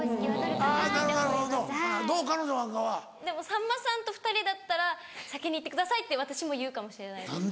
さんまさんと２人だったら「先に行ってください」って私も言うかもしれないです。